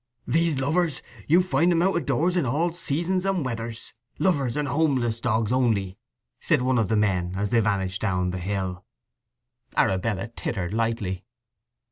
"These lovers—you find 'em out o' doors in all seasons and weathers—lovers and homeless dogs only," said one of the men as they vanished down the hill. Arabella tittered lightly.